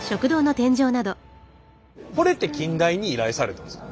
これって近大に依頼されたんですか？